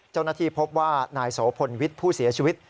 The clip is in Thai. เจ้าหน้าที่พบว่านายโสพลวิทย์ผู้เสียชีวิต